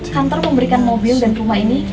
kantor pemberikan mobil dan rumah ini